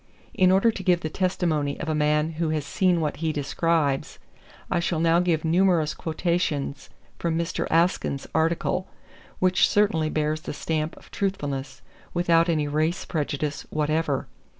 In order to give the testimony of a man who has seen what he describes, I shall now give numerous quotations from Mr. Askins' article, which certainly bears the stamp of truthfulness, without any "race prejudice" whatever.